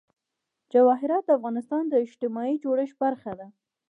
جواهرات د افغانستان د اجتماعي جوړښت برخه ده.